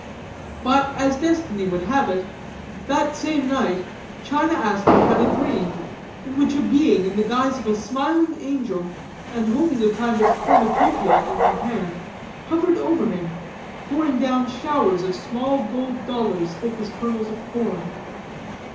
But as destiny would have it, that same night China Aster had a dream, in which a being in the guise of a smiling angel, and holding a kind of cornucopia in her hand, hovered over him, pouring down showers of small gold dollars, thick as kernels of corn.